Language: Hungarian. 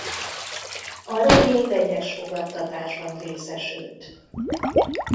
A regény vegyes fogadtatásban részesült.